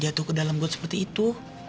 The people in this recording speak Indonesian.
bisa jalan ke dalam got seperti itu